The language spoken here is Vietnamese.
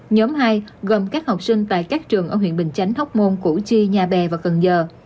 nhóm hai gồm các học sinh tại các trường ở huyện bình chánh hóc môn củ chi nhà bè và cần giờ